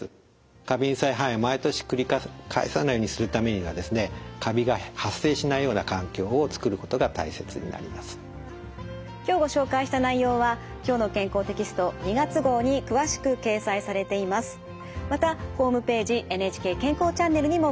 過敏性肺炎を毎年繰り返さないようにするためには今日ご紹介した内容は「きょうの健康」テキスト２月号に詳しく掲載されています。